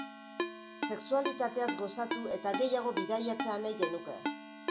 Sexualitateaz gozatu eta gehiago bidaiatzea nahi genuke.